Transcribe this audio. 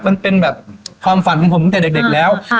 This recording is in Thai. มันเป็นแบบความฝันของผมตั้งแต่เด็กแล้ว